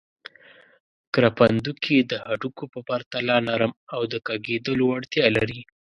کرپندوکي د هډوکو په پرتله نرم او د کږېدلو وړتیا لري.